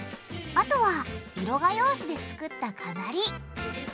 あとは色画用紙で作った飾り。